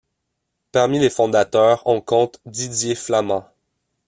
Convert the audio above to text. Parmi les fondateurs, on compte Didier Flament.